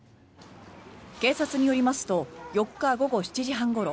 警察によりますと４日午後７時半ごろ